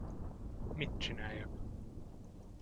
Mit csináljak?